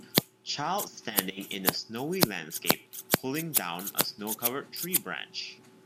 Child standing in a snowy landscape pulling down a snowcovered tree branch.